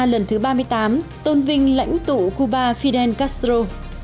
lần thứ ba mươi tám tôn vinh lãnh tụ cuba fidel castro